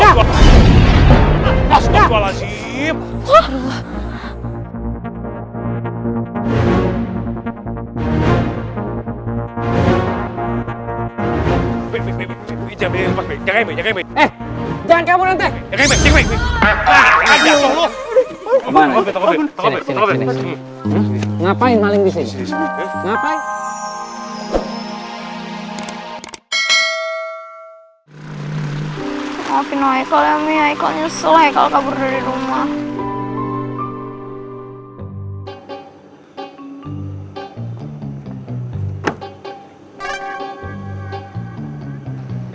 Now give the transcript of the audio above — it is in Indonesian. hai ngapain waikol ya mia ikut nyusul hekel kabur dari rumah